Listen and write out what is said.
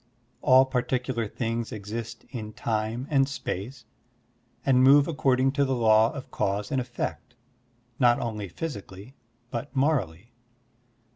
All partictdar things exist in time and space and move according to the law of cause and effect, not only physically but morally.